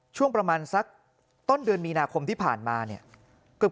ช่วงประมาณสักต้นเดือนมีนาคมที่ผ่านมาเนี่ยเกือบ